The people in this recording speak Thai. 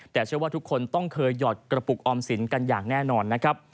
แต่เชื่อว่าทุกคนต้องเคยหยอดกระปุกออมสินกันอย่างแน่นอนนะครับ